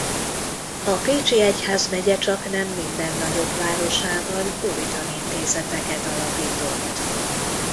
A pécsi egyházmegye csaknem minden nagyobb városában új tanintézeteket alapított.